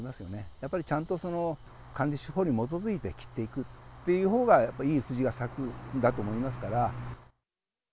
やっぱりちゃんと、管理手法に基づいて切っていくというほうが、やっぱ、いい藤が咲くんだと思いますから。